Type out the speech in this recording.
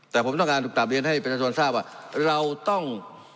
แต่ผมต้องการถูกกลับเรียนให้ประชาชนทราบว่าเราต้อง